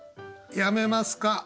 やめますか？